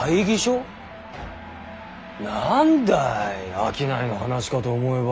何だい商いの話かと思えば。